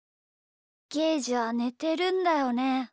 ゲージはねてるんだよね？